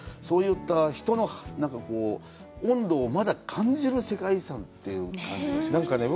そういった人の温度をまだ感じる世界遺産という感じがしました。